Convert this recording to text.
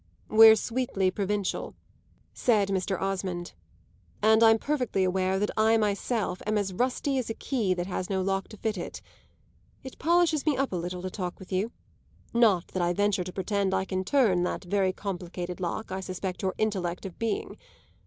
"We're sweetly provincial," said Mr. Osmond, "and I'm perfectly aware that I myself am as rusty as a key that has no lock to fit it. It polishes me up a little to talk with you not that I venture to pretend I can turn that very complicated lock I suspect your intellect of being!